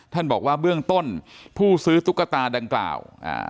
ท่านบอกว่าเบื้องต้นผู้ซื้อตุ๊กตาดังกล่าวอ่า